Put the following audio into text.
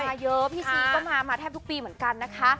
มาเยอะพี่ซีก็มามาแทบทุกปีเหมือนกันนะคะ